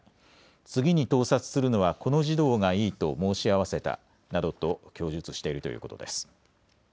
次に盗撮するのはこの児童がいいと申し合わせたなどと供述しているということです。